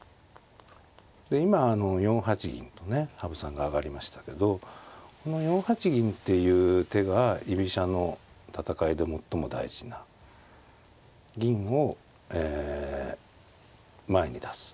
で今４八銀とね羽生さんが上がりましたけどこの４八銀っていう手が居飛車の戦いで最も大事な銀をえ前に出す。